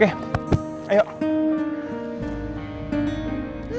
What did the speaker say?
bentar ya sorry